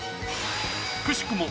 くしくも